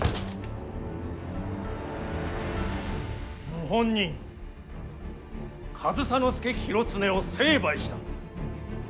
謀反人上総介広常を成敗した。